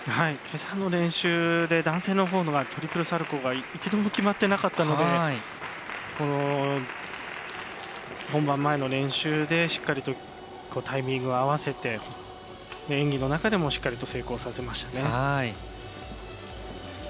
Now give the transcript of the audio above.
けさの練習で男性のほうがトリプルサルコウが一度も決まってなかったので本番前の練習でしっかりとタイミング合わせて演技の中でもしっかりと成功させましたね。